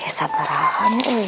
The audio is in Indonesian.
ya sabar rahan ini